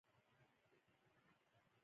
ملک صاحب ډېر ښه انسان دی